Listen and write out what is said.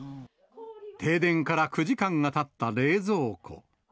停電から９時間がたった冷蔵庫。